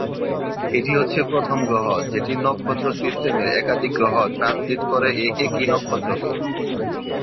এটি হচ্ছে প্রথম গ্রহ যেটির নক্ষত্র সিস্টেমের একাধিক গ্রহ ট্রানজিট করে একই নক্ষত্রকে।